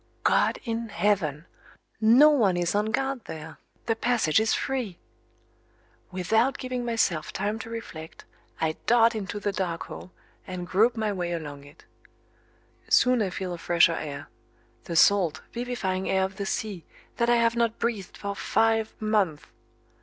God in heaven! No one is on guard there the passage is free! Without giving myself time to reflect I dart into the dark hole, and grope my way along it. Soon I feel a fresher air the salt, vivifying air of the sea, that I have not breathed for five months.